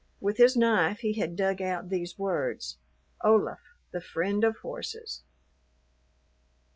With his knife he had dug out these words "Olaf. The friend of horses."